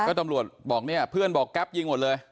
ก็ตำรวจบอกเนี่ยเพื่อนบอกแก๊ปยิงหมดเลย